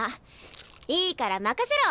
いいから任せろ。